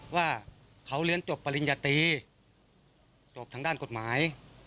ว่าเขาเรียนจบปริญญาตรีจบทางด้านกฎหมาย